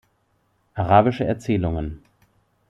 Arabische Erzählungen.